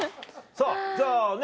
さぁじゃあね